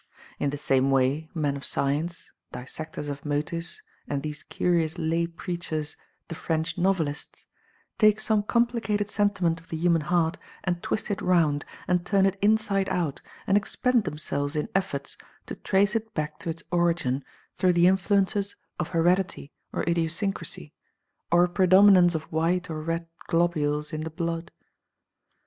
In the same way, men of science, dissectors of motives, and these curious lay preachers, the '' French novelists, take some complicated sentiment of the human heart and twist it round, and turn it inside out, and expend themselves in efforts to trace it back to its origin through the influences of heredity or idiosyncrasy, or a predominance of white or red globules in the blood.